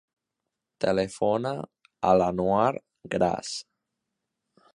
Telefona a l'Anouar Gras.